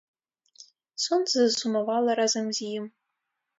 Сонца засумавала разам з ім.